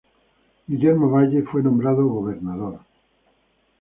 Guillermo Valle fue nombrado gobernador.